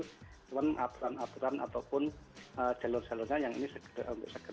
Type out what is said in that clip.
cuma aturan aturan ataupun jalur jalurnya yang ini segera diadakan atau disediakan